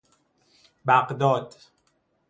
بغداد